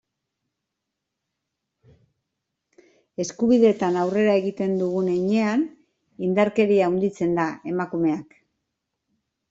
Eskubideetan aurrera egiten dugun heinean, indarkeria handitzen da, emakumeak.